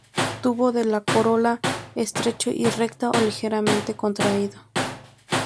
Tubo de la corola estrecho y recta o ligeramente contraído.